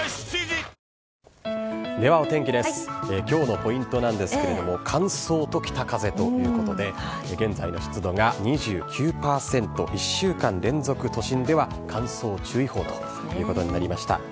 きょうのポイントなんですけれども、乾燥と北風ということで、現在の湿度が２９％、１週間連続、都心では乾燥注意報ということになりました。